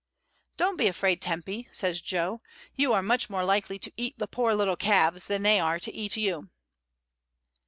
"Don^t be afraid, Tempy," sa)rs Jo; "you are much more likely to eat the poor little calves than they are to eat you."